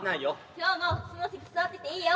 今日もその席座ってていいよ。